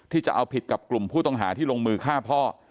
จะเอาผิดกับกลุ่มผู้ต้องหาที่ลงมือฆ่าพ่อ